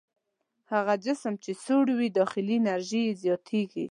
هغه جسم چې سوړ دی داخلي انرژي یې زیاتیږي.